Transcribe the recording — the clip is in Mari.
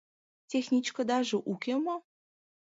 — Техничкыдаже уке мо?